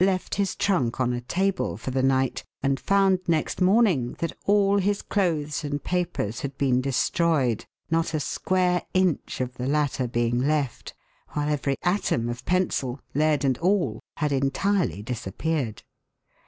left his trunk on a table for the night and found next morning that all his clothes and papers had been de stroyed,'not a square inch of the latter being left, while every atom of pencil, lead and all, had entirely disappeared.